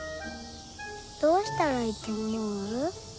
どうしたらいいと思う？